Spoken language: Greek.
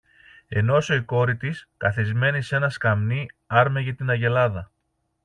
ενόσω η κόρη της, καθισμένη σ' ένα σκαμνί, άρμεγε την αγελάδα.